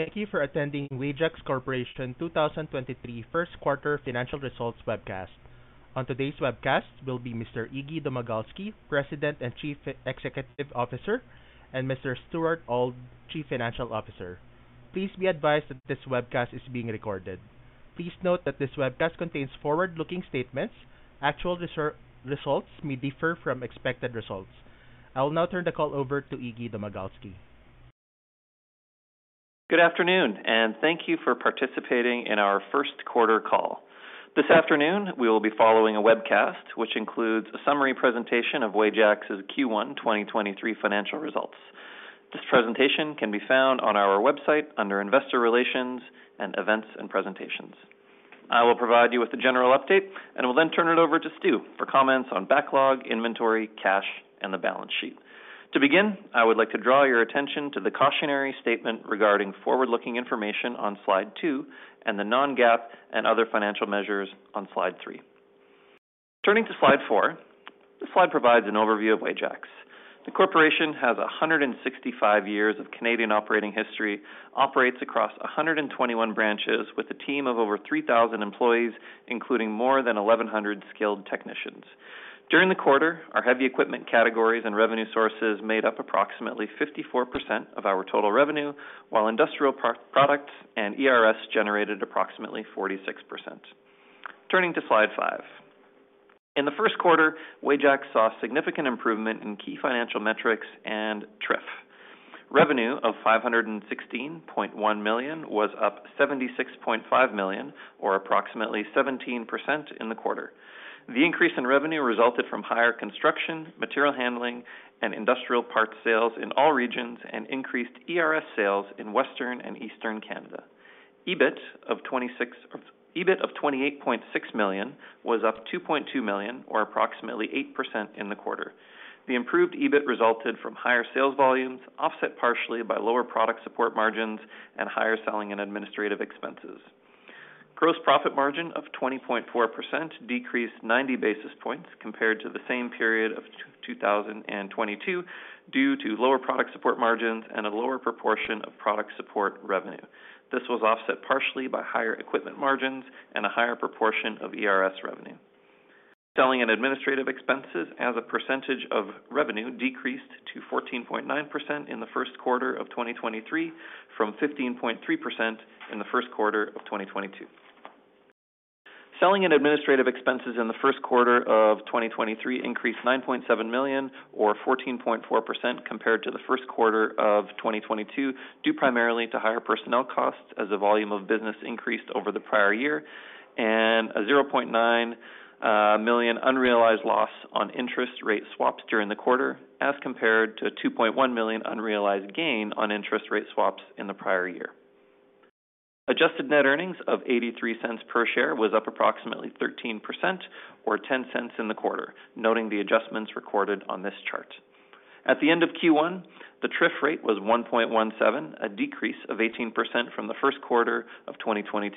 Thank you for attending Wajax Corporation 2023 1st quarter financial results webcast. On today's webcast will be Mr. Iggy Domagalski, President and Chief Executive Officer, and Mr. Stuart Auld, Chief Financial Officer. Please be advised that this webcast is being recorded. Please note that this webcast contains forward-looking statements. Actual results may differ from expected results. I will now turn the call over to Iggy Domagalski. Good afternoon, thank you for participating in our 1st quarter call. This afternoon, we will be following a webcast which includes a summary presentation of Wajax's Q1 2023 financial results. This presentation can be found on our website under Investor Relations and Events and Presentations. I will provide you with a general update and will then turn it over to Stu for comments on backlog, inventory, cash, and the balance sheet. To begin, I would like to draw your attention to the cautionary statement regarding forward-looking information on slide two and the non-GAAP and other financial measures on slide three. Turning to slide four. This slide provides an overview of Wajax. The corporation has 165 years of Canadian operating history, operates across 121 branches with a team of over 3,000 employees, including more than 1,100 skilled technicians. During the quarter, our heavy equipment categories and revenue sources made up approximately 54% of our total revenue, while industrial products and ERS generated approximately 46%. Turning to slide 5. In the first quarter, Wajax saw significant improvement in key financial metrics and TRIF. Revenue of 516.1 million was up 76.5 million, or approximately 17% in the quarter. The increase in revenue resulted from higher construction, material handling, and industrial parts sales in all regions and increased ERS sales in Western and Eastern Canada. EBIT of 28.6 million was up 2.2 million, or approximately 8% in the quarter. The improved EBIT resulted from higher sales volumes, offset partially by lower product support margins and higher selling and administrative expenses. Gross profit margin of 20.4% decreased 90 basis points compared to the same period of 2022 due to lower product support margins and a lower proportion of product support revenue. This was offset partially by higher equipment margins and a higher proportion of ERS revenue. Selling and administrative expenses as a percentage of revenue decreased to 14.9% in the first quarter of 2023 from 15.3% in the first quarter of 2022. Selling and administrative expenses in the first quarter of 2023 increased 9.7 million, or 14.4% compared to the first quarter of 2022, due primarily to higher personnel costs as the volume of business increased over the prior year and a 0.9 million unrealized loss on interest rate swaps during the quarter as compared to a 2.1 million unrealized gain on interest rate swaps in the prior year. Adjusted net earnings of 0.83 per share was up approximately 13% or 0.10 in the quarter, noting the adjustments recorded on this chart. At the end of Q1, the TRIF rate was 1.17, a decrease of 18% from the first quarter of 2022.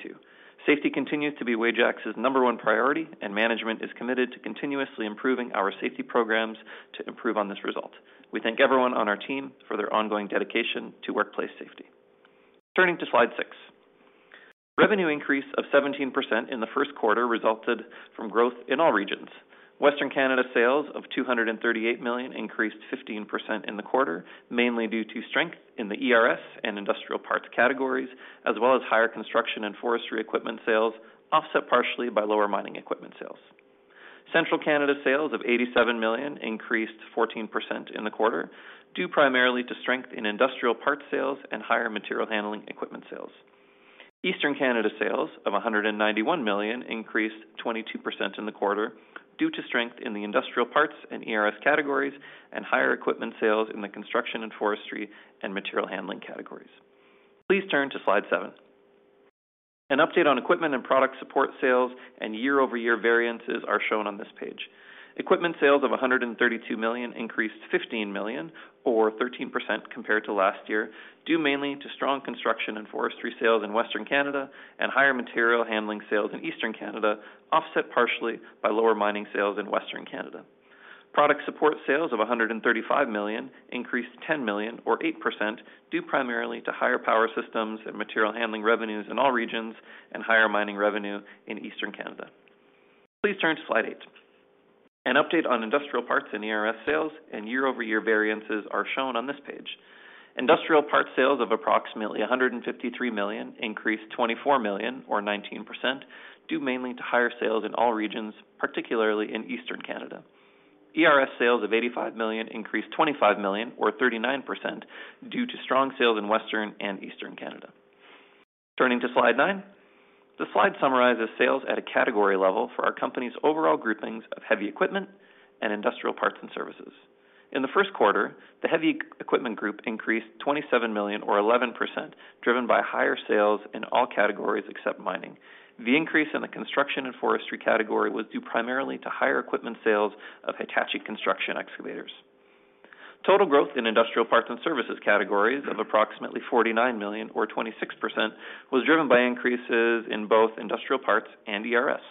Safety continues to be Wajax's number one priority, and management is committed to continuously improving our safety programs to improve on this result. We thank everyone on our team for their ongoing dedication to workplace safety. Turning to slide six. Revenue increase of 17% in the first quarter resulted from growth in all regions. Western Canada sales of 238 million increased 15% in the quarter, mainly due to strength in the ERS and industrial parts categories, as well as higher construction and forestry equipment sales, offset partially by lower mining equipment sales. Central Canada sales of 87 million increased 14% in the quarter due primarily to strength in industrial parts sales and higher material handling equipment sales. Eastern Canada sales of 191 million increased 22% in the quarter due to strength in the industrial parts and ERS categories and higher equipment sales in the construction and forestry and material handling categories. Please turn to slide seven. Update on equipment and product support sales and year-over-year variances are shown on this page. Equipment sales of 132 million increased 15 million or 13% compared to last year, due mainly to strong construction and forestry sales in Western Canada and higher material handling sales in Eastern Canada, offset partially by lower mining sales in Western Canada. Product support sales of 135 million increased 10 million or 8%, due primarily to higher power systems and material handling revenues in all regions and higher mining revenue in Eastern Canada. Please turn to slide eight. An update on industrial parts and ERS sales and year-over-year variances are shown on this page. Industrial parts sales of approximately 153 million increased 24 million or 19%, due mainly to higher sales in all regions, particularly in Eastern Canada. ERS sales of 85 million increased 25 million or 39% due to strong sales in Western and Eastern Canada. Turning to slide 9. This slide summarizes sales at a category level for our company's overall groupings of heavy equipment and industrial parts and services. In the first quarter, the heavy equipment group increased 27 million or 11%, driven by higher sales in all categories except mining. The increase in the construction and forestry category was due primarily to higher equipment sales of Hitachi Construction excavators. Total growth in industrial parts and services categories of approximately 49 million or 26% was driven by increases in both industrial parts and ERS.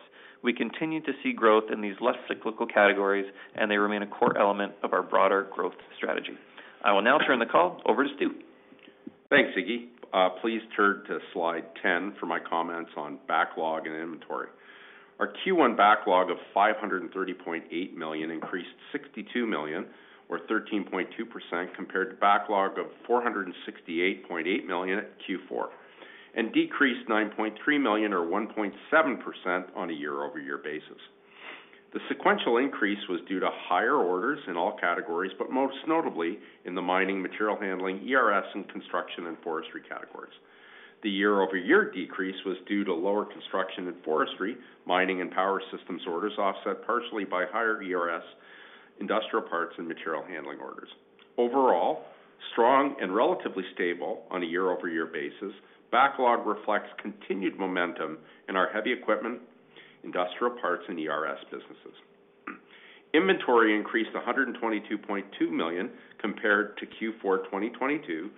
We continue to see growth in these less cyclical categories. They remain a core element of our broader growth strategy. I will now turn the call over to Stuart. Thanks, Iggy. Please turn to slide 10 for my comments on backlog and inventory. Our Q1 backlog of 530.8 million increased 62 million or 13.2% compared to backlog of 468.8 million at Q4. Decreased 9.3 million or 1.7% on a year-over-year basis. The sequential increase was due to higher orders in all categories, but most notably in the mining, material handling, ERS, and construction and forestry categories. The year-over-year decrease was due to lower construction and forestry, mining and power systems orders offset partially by higher ERS industrial parts and material handling orders. Overall, strong and relatively stable on a year-over-year basis, backlog reflects continued momentum in our heavy equipment, industrial parts, and ERS businesses. Inventory increased 122.2 million compared to Q4 2022,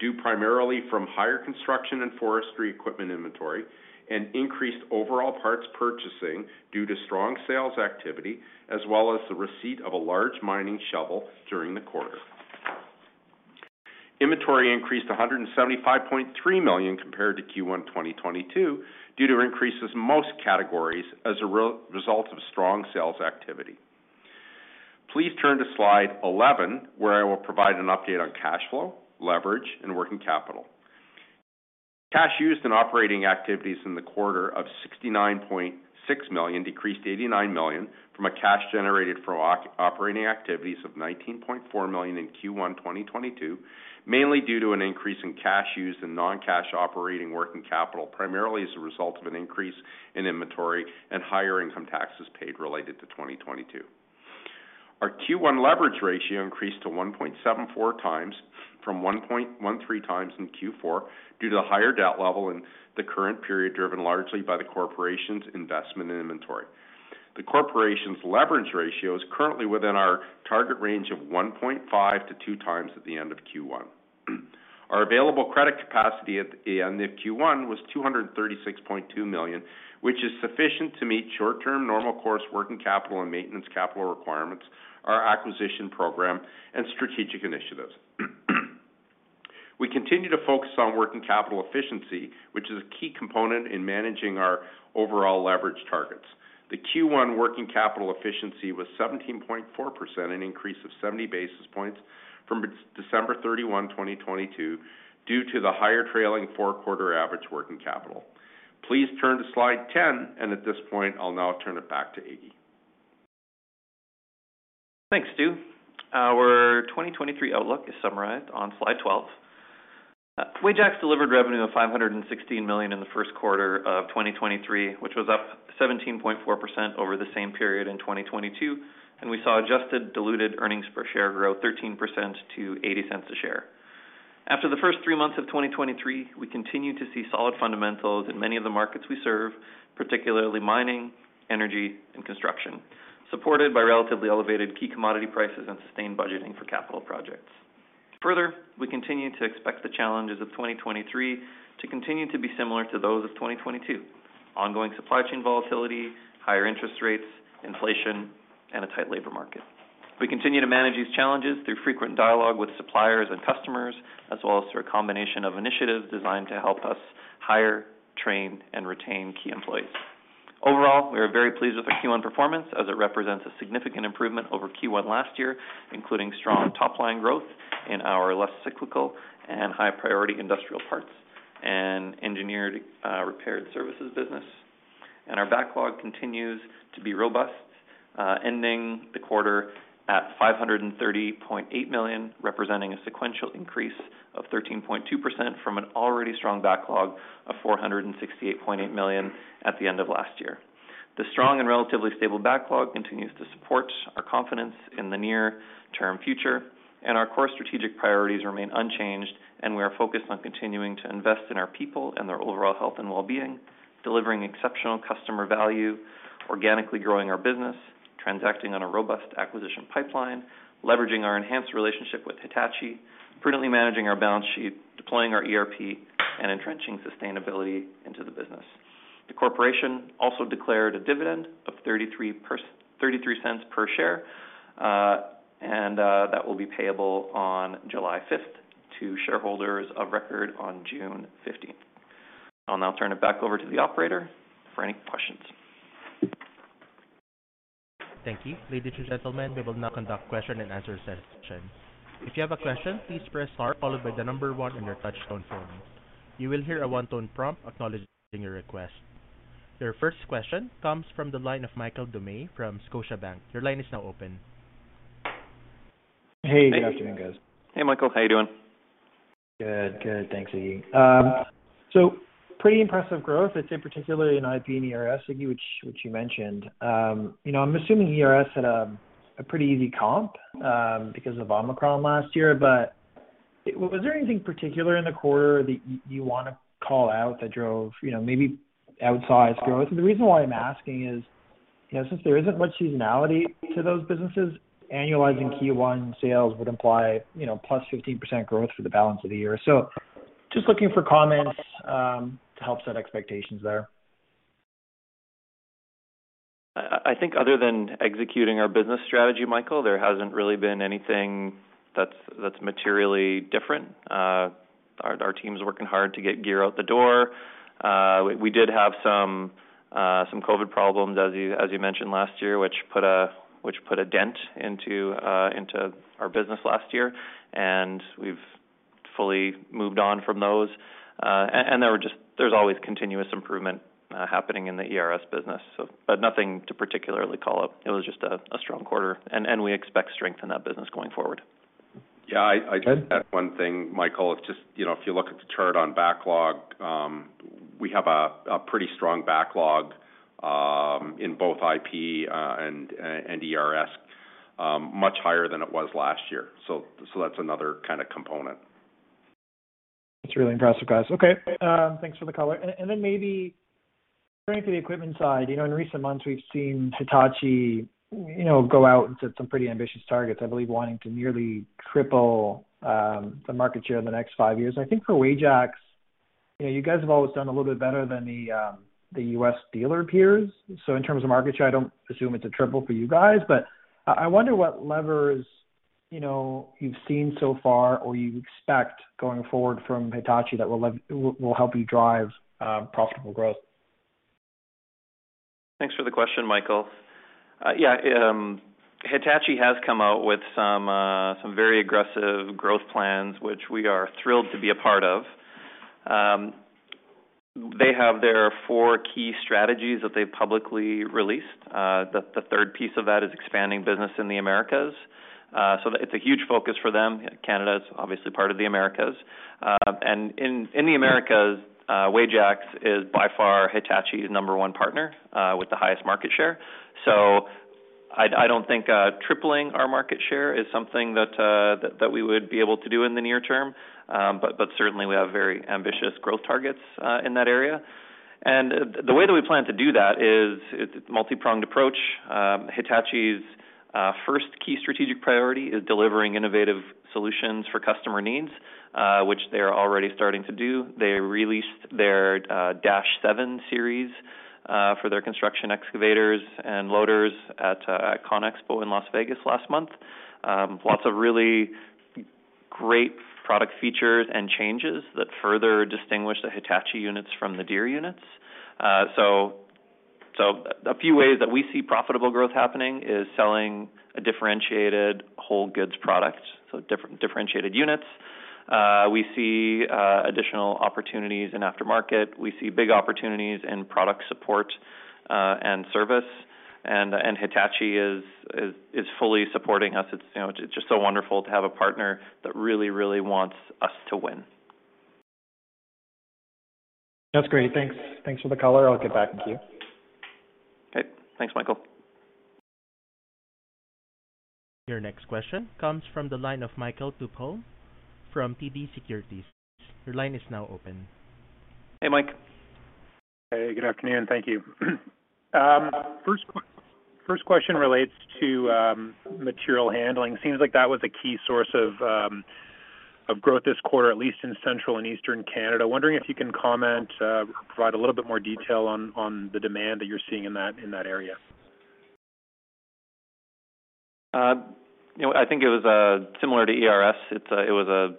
due primarily from higher construction and forestry equipment inventory and increased overall parts purchasing due to strong sales activity as well as the receipt of a large mining shovel during the quarter. Inventory increased 175.3 million compared to Q1 2022 due to increases in most categories as a result of strong sales activity. Please turn to slide 11, where I will provide an update on cash flow, leverage, and working capital. Cash used in operating activities in the quarter of 69.6 million decreased 89 million from a cash generated from operating activities of 19.4 million in Q1 2022, mainly due to an increase in cash used in non-cash operating working capital, primarily as a result of an increase in inventory and higher income taxes paid related to 2022. Our Q1 leverage ratio increased to 1.74 times from 1.13 times in Q4 due to the higher debt level in the current period, driven largely by the Corporation's investment in inventory. The Corporation's leverage ratio is currently within our target range of 1.5-2 times at the end of Q1. Our available credit capacity at the end of Q1 was 236.2 million, which is sufficient to meet short term normal course working capital and maintenance capital requirements, our acquisition program and strategic initiatives. We continue to focus on working capital efficiency, which is a key component in managing our overall leverage targets. The Q1 working capital efficiency was 17.4%, an increase of 70 basis points from December 31, 2022, due to the higher trailing four quarter average working capital. Please turn to slide 10, and at this point I'll now turn it back to Iggy. Thanks, Stu. Our 2023 outlook is summarized on slide 12. Wajax delivered revenue of 516 million in the first quarter of 2023, which was up 17.4% over the same period in 2022. We saw adjusted diluted earnings per share grow 13% to 0.80 a share. After the first three months of 2023, we continue to see solid fundamentals in many of the markets we serve, particularly mining, energy, and construction, supported by relatively elevated key commodity prices and sustained budgeting for capital projects. Further, we continue to expect the challenges of 2023 to continue to be similar to those of 2022. Ongoing supply chain volatility, higher interest rates, inflation, and a tight labor market. We continue to manage these challenges through frequent dialogue with suppliers and customers, as well as through a combination of initiatives designed to help us hire, train, and retain key employees. Overall, we are very pleased with our Q1 performance as it represents a significant improvement over Q1 last year, including strong top line growth in our less cyclical and high priority industrial parts and Engineered Repair Services business. Our backlog continues to be robust, ending the quarter at 530.8 million, representing a sequential increase of 13.2% from an already strong backlog of 468.8 million at the end of last year. The strong and relatively stable backlog continues to support our confidence in the near term future. Our core strategic priorities remain unchanged. We are focused on continuing to invest in our people and their overall health and well-being, delivering exceptional customer value, organically growing our business, transacting on a robust acquisition pipeline, leveraging our enhanced relationship with Hitachi, prudently managing our balance sheet, deploying our ERP, and entrenching sustainability into the business. The corporation also declared a dividend of 0.33 per share that will be payable on July 5th to shareholders of record on June 15th. I'll now turn it back over to the operator for any questions. Thank you. Ladies and gentlemen, we will now conduct question and answer session. If you have a question, please press Star followed by one in your touch-tone phone. You will hear a one-tone prompt acknowledging your request. Your first question comes from the line of Michael Doumet from Scotiabank. Your line is now open. Hey, good afternoon, guys. Hey, Michael. How are you doing? Good. Good. Thanks, Iggy. Pretty impressive growth. It's in particularly in IP and ERS, Iggy, which you mentioned. You know, I'm assuming ERS had a pretty easy comp because of Omicron last year. Was there anything particular in the quarter that you wanna call out that drove, you know, maybe outsized growth? The reason why I'm asking is, you know, since there isn't much seasonality to those businesses, annualizing Q1 sales would imply, you know, plus 15% growth for the balance of the year. Just looking for comments to help set expectations there. I think other than executing our business strategy, Michael, there hasn't really been anything that's materially different. Our team's working hard to get gear out the door. We did have some COVID problems as you mentioned last year, which put a dent into our business last year, and we've fully moved on from those. There's always continuous improvement happening in the ERS business. Nothing to particularly call out. It was just a strong quarter, and we expect strength in that business going forward. I'd add one thing, Michael. It's just, you know, if you look at the chart on backlog, we have a pretty strong backlog in both IP and ERS, much higher than it was last year. That's another kinda component. That's really impressive, guys. Okay. Thanks for the color. Then maybe turning to the equipment side. You know, in recent months we've seen Hitachi, you know, go out and set some pretty ambitious targets, I believe wanting to nearly triple the market share in the next five years. I think for Wajax, you know, you guys have always done a little bit better than the US dealer peers. In terms of market share, I don't assume it's a triple for you guys, but I wonder what levers, you know, you've seen so far or you expect going forward from Hitachi that will help you drive profitable growth. Thanks for the question, Michael. Yeah, Hitachi has come out with some very aggressive growth plans, which we are thrilled to be a part of. They have their four key strategies that they've publicly released. The third piece of that is expanding business in the Americas. It's a huge focus for them. Canada's obviously part of the Americas. In, in the Americas, Wajax is by far Hitachi's number one partner with the highest market share. I don't think tripling our market share is something that we would be able to do in the near term, but certainly we have very ambitious growth targets in that area. The, the way that we plan to do that is it's a multi-pronged approach. Hitachi's first key strategic priority is delivering innovative solutions for customer needs, which they are already starting to do. They released their Dash-7 Series for their construction excavators and loaders at ConExpo in Las Vegas last month. Lots of really great product features and changes that further distinguish the Hitachi units from the Deere units. A few ways that we see profitable growth happening is selling a differentiated whole goods product, so differentiated units. We see additional opportunities in aftermarket. We see big opportunities in product support, and service and Hitachi is fully supporting us. It's, you know, it's just so wonderful to have a partner that really, really wants us to win. That's great. Thanks. Thanks for the color. I'll get back with you. Okay. Thanks, Michael. Your next question comes from the line of Michael Tupholme from TD Securities. Your line is now open. Hey, Mike. Hey, good afternoon. Thank you. First question relates to, material handling. Seems like that was a key source of growth this quarter, at least in Central and Eastern Canada. Wondering if you can comment, provide a little bit more detail on the demand that you're seeing in that area. you know, I think it was similar to ERS. It was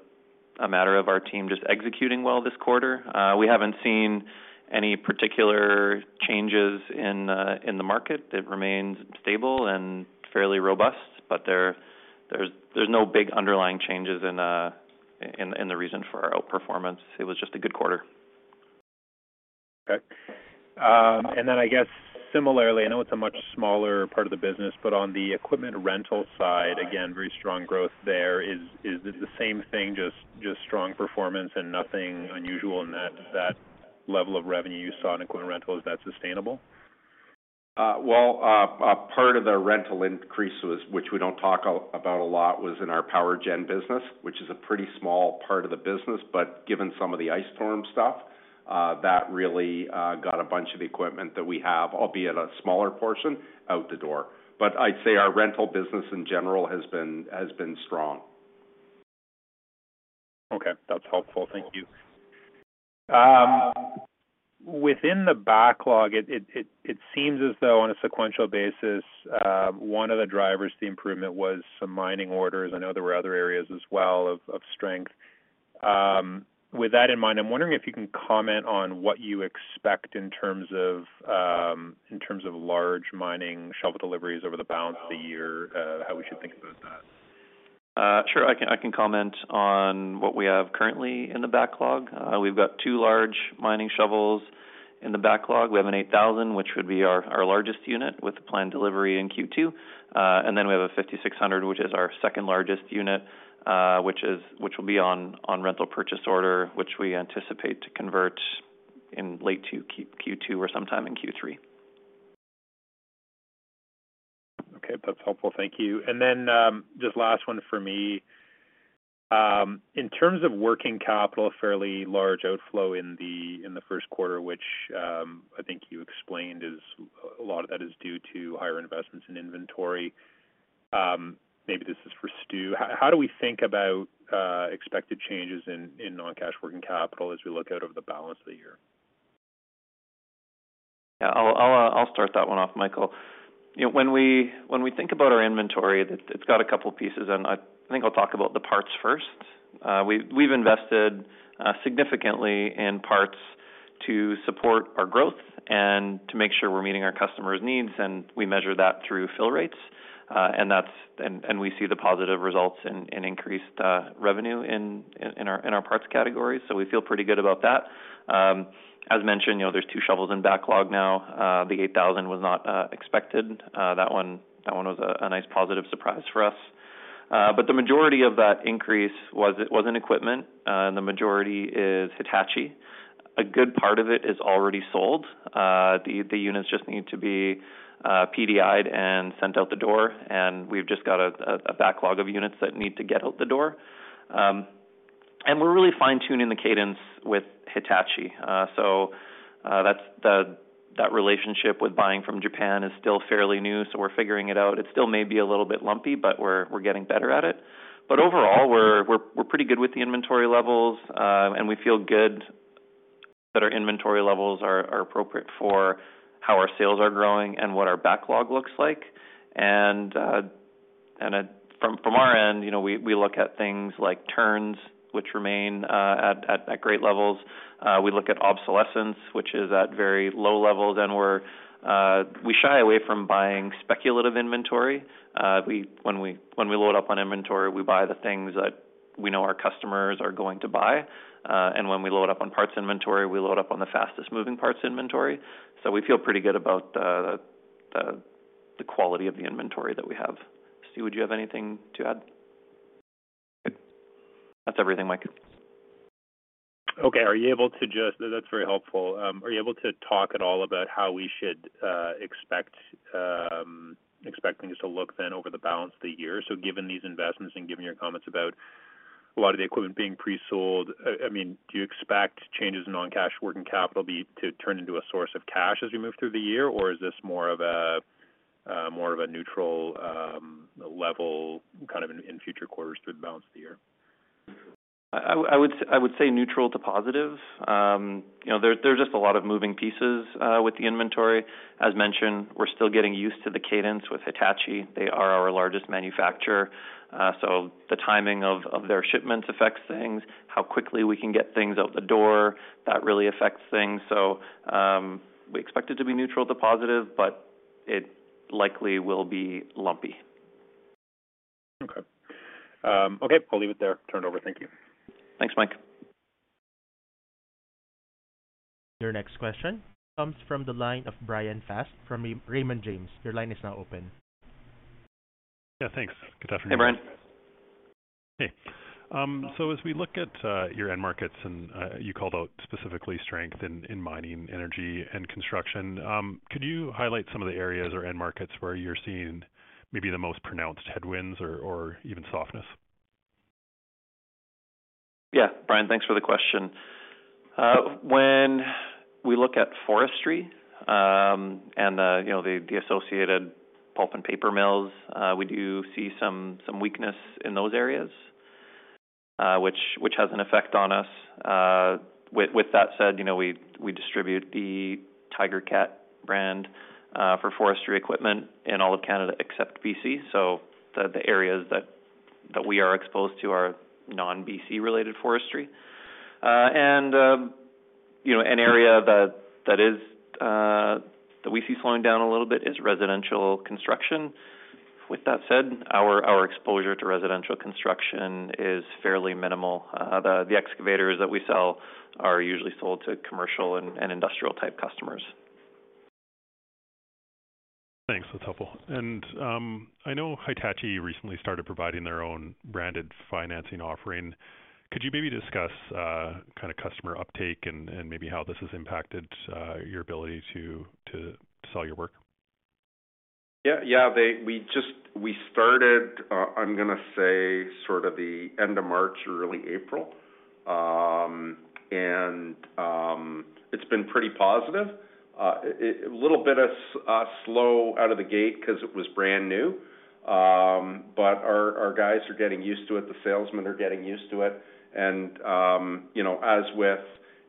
a matter of our team just executing well this quarter. We haven't seen any particular changes in the market. It remains stable and fairly robust, but there's no big underlying changes in the reason for our outperformance. It was just a good quarter. Okay. I guess similarly, I know it's a much smaller part of the business, but on the equipment rental side, again, very strong growth there. Is it the same thing, just strong performance and nothing unusual in that level of revenue you saw in equipment rental? Is that sustainable? Well, part of the rental increase was, which we don't talk about a lot, was in our power generation business, which is a pretty small part of the business. Given some of the ice storm stuff, that really got a bunch of equipment that we have, albeit a smaller portion, out the door. I'd say our rental business in general has been strong. Okay. That's helpful. Thank you. Within the backlog it seems as though on a sequential basis, one of the drivers to the improvement was some mining orders. I know there were other areas as well of strength. With that in mind, I'm wondering if you can comment on what you expect in terms of, in terms of large mining shovel deliveries over the balance of the year, how we should think about that? Sure. I can comment on what we have currently in the backlog. We've got two large mining shovels in the backlog. We have an 8,000, which would be our largest unit with a planned delivery in Q2. We have a 5,600, which is our second largest unit, which will be on rental purchase order, which we anticipate to convert in late to Q2 or sometime in Q3. Okay, that's helpful. Thank you. Then, just last one for me. In terms of working capital, a fairly large outflow in the first quarter, which, I think you explained is a lot of that is due to higher investments in inventory. Maybe this is for Stu. How do we think about expected changes in non-cash working capital as we look out over the balance of the year? Yeah, I'll start that one off, Michael. You know, when we think about our inventory, it's got a couple pieces, and I think I'll talk about the parts first. We've invested significantly in parts to support our growth and to make sure we're meeting our customers' needs, and we measure that through fill rates. And we see the positive results in increased revenue in our parts categories. We feel pretty good about that. As mentioned, you know, there's two shovels in backlog now. The eight thousand was not expected. That one was a nice positive surprise for us. The majority of that increase was in equipment, and the majority is Hitachi. A good part of it is already sold. The units just need to be PDI'd and sent out the door, and we've just got a backlog of units that need to get out the door. We're really fine-tuning the cadence with Hitachi. That relationship with buying from Japan is still fairly new, so we're figuring it out. It still may be a little bit lumpy, but we're getting better at it. Overall, we're pretty good with the inventory levels. We feel good that our inventory levels are appropriate for how our sales are growing and what our backlog looks like. From our end, you know, we look at things like turns, which remain at great levels. We look at obsolescence, which is at very low levels, and we're we shy away from buying speculative inventory. We when we, when we load up on inventory, we buy the things that we know our customers are going to buy. When we load up on parts inventory, we load up on the fastest moving parts inventory. We feel pretty good about the, the quality of the inventory that we have. Stu, would you have anything to add? Good. That's everything, Mike. Are you able to just? That's very helpful. Are you able to talk at all about how we should expect things to look then over the balance of the year? Given these investments and given your comments about a lot of the equipment being pre-sold, I mean, do you expect changes in non-cash working capital to turn into a source of cash as we move through the year? Or is this more of a more of a neutral level kind of in future quarters through the balance of the year? I would say neutral to positive. you know, there's just a lot of moving pieces with the inventory. As mentioned, we're still getting used to the cadence with Hitachi. They are our largest manufacturer. The timing of their shipments affects things. How quickly we can get things out the door, that really affects things. We expect it to be neutral to positive, but it likely will be lumpy. Okay. Okay. I'll leave it there. Turn it over. Thank you. Thanks, Mike. Your next question comes from the line of Bryan Fast from Raymond James. Your line is now open. Yeah, thanks. Good afternoon. Hey, Bryan. Hey. As we look at your end markets and you called out specifically strength in mining, energy, and construction, could you highlight some of the areas or end markets where you're seeing maybe the most pronounced headwinds or even softness? Bryan, thanks for the question. When we look at forestry, and the, you know, the associated pulp and paper mills, we do see some weakness in those areas, which has an effect on us. With that said, you know, we distribute the Tigercat brand for forestry equipment in all of Canada except BC. The areas that we are exposed to are non-BC related forestry. You know, an area that is, that we see slowing down a little bit is residential construction. With that said, our exposure to residential construction is fairly minimal. The excavators that we sell are usually sold to commercial and industrial type customers. Thanks. That's helpful. I know Hitachi recently started providing their own branded financing offering. Could you maybe discuss kinda customer uptake and maybe how this has impacted your ability to sell your work? Yeah, yeah. We started, I'm gonna say sort of the end of March or early April. It's been pretty positive. A little bit of slow out of the gate 'cause it was brand new. Our guys are getting used to it, the salesmen are getting used to it. You know, as with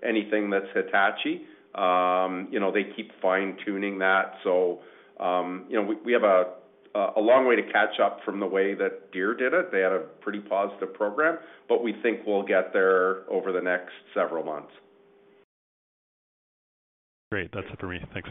anything that's Hitachi, you know, they keep fine-tuning that. You know, we have a long way to catch up from the way that Deere did it. They had a pretty positive program. We think we'll get there over the next several months. Great. That's it for me. Thank you.